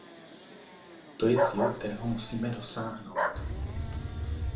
To je cíl, kterého musíme dosáhnout.